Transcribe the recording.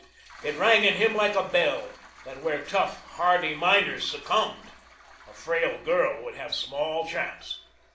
It rang in him like a bell that where tough, hardy miners succumbed a frail girl would have small chance.